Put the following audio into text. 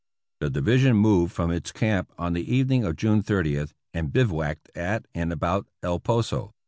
The Division moved from its camp on the evening of June 30th, and bivouacked at and about El Poso.